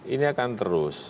ini akan terus